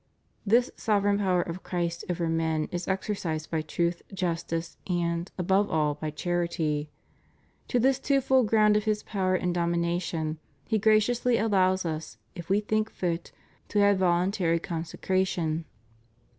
' This sovereign power of Christ over men is exercised by truth, justice, and, above all, by charity. To this twofold ground of His power and domination He graciously allows us, if we think fit, to add volun tary consecration.